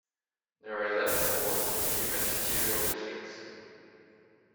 There are eleven courts in three magisterial districts.